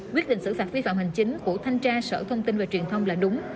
quyết định xử phạt vi phạm hành chính của thanh tra sở thông tin và truyền thông là đúng